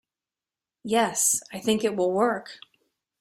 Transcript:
Yes, I think it will work.